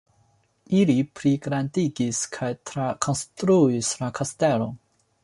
Ili pligrandigis kaj trakonstruis la kastelon.